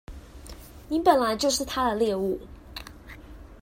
你本來就是他的獵物